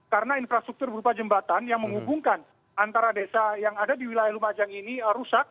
karena infrastruktur berupa jembatan yang menghubungkan antara desa yang ada di wilayah lumajang ini rusak